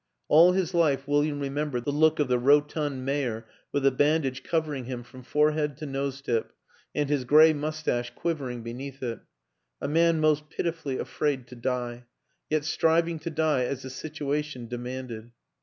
All his life William remembered the look of the rotund mayor with a bandage covering him from fore head to nose tip and his gray mustache quivering beneath it a man most pitifully afraid to die, yet striving to die as the situation demanded.